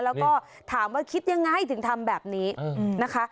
แล้วก็ถามว่าคิดยังไงถึงทำแบบนี้นะคะ